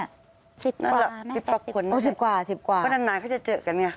๑๐กว่าแม่งแค่๑๐คนนะครับเพราะนานเขาจะเจอกันไง